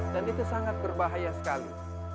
dan itu sangat berbahaya sekali